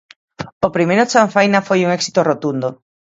O primeiro Chanfaina foi un éxito rotundo.